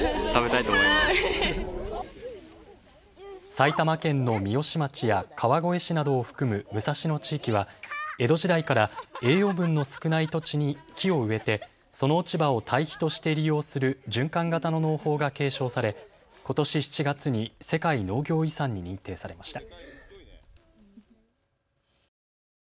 埼玉県の三芳町や川越市などを含む武蔵野地域は江戸時代から栄養分の少ない土地に木を植えてその落ち葉を堆肥として利用する循環型の農法が継承されことし７月に世界農業遺産に認定されました。